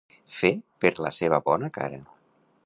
Fer per la seva bona cara.